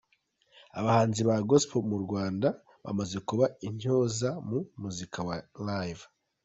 Abahanzi ba Gospel bo mu Rwanda bamaze kuba intyoza mu muziki wa Live.